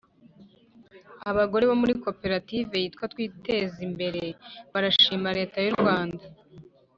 Abagore bo muri koperative yitwa twitezimbere barashima Leta y’Urwanda